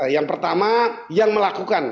yang pertama yang melakukan